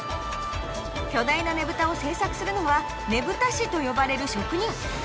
巨大なねぶたを制作するのはねぶた師と呼ばれる職人